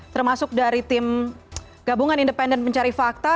termasuk dari tim gabungan independen mencari fakta